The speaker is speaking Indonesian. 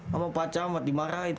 sama pak camat dimarahin